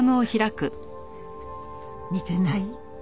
似てない？